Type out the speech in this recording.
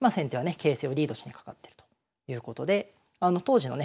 形勢をリードしにかかってるということで当時のね